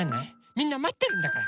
みんなまってるんだから！